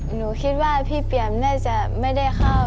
หนูคิดว่าพี่เปรียมน่าจะไม่ได้เข้า